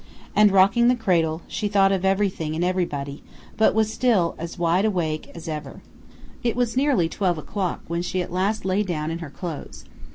And, rocking the cradle, she thought of everything and everybody, but still was wide awake as ever. It was nearly twelve o'clock when she at last lay down in her clothes.